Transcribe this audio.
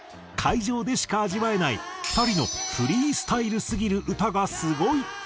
会場でしか味わえない２人のフリースタイルすぎる歌がすごい！と話題に。